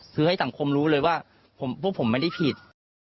คือให้สังคมรู้เลยว่าพวกผมไม่ได้ผิด